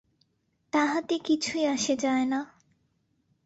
তাহাতে কিছুই আসে যায় না।